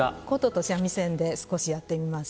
箏と三味線で少しやってみます。